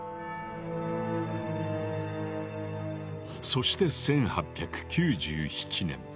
そして１８９７年。